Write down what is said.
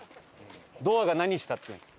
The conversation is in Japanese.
「ドアが何した！」って言うんですよ。